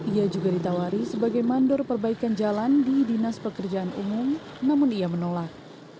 ia juga ditawari sebagai mandor perbaikan jalan di dinas pekerjaan umum namun ia menolak